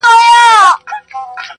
زما د آشنا غرونو کيسې کولې؛